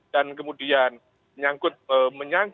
dan kemudian menyangkut banyak pihak